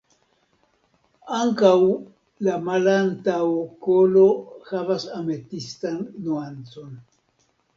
Ankaŭ la malantaŭkolo havas ametistan nuancon.